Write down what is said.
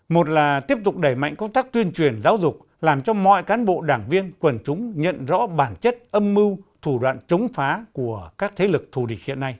một là tiếp tục đẩy mạnh công tác tuyên truyền giáo dục làm cho mọi cán bộ đảng viên quần chúng nhận rõ bản chất âm mưu thủ đoạn chống phá của các thế lực thù địch hiện nay